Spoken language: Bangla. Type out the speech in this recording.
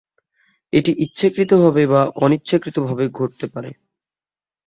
এটি ইচ্ছাকৃতভাবে বা অনিচ্ছাকৃতভাবে ঘটতে পারে।